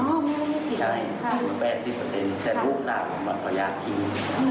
อ๋อแม่ไม่อยากให้ชีดใช่ประมาณ๘๐แต่ลูกสาวอยากชีด